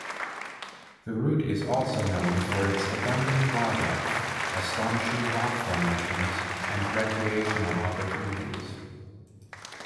The route is known for its abundant wildlife, astonishing rock formations, and recreational opportunities.